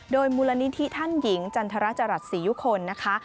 โดยมูลนิธิท่านหญิงจันทรจรัสศรียุคลนะคะ